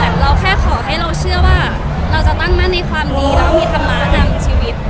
เราแค่ขอให้เราเชื่อว่าเราจะตั้งมั่นในความดีแล้วก็มีธรรมะนำชีวิต